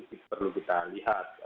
itu perlu kita lihat